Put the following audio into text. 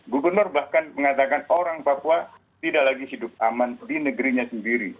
gubernur bahkan mengatakan orang papua tidak lagi hidup aman di negerinya sendiri